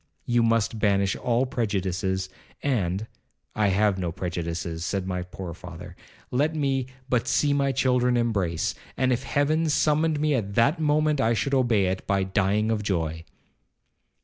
You must banish all prejudices, and—' 'I have no prejudices!' said my poor father; 'let me but see my children embrace, and if Heaven summoned me at that moment, I should obey it by dying of joy.'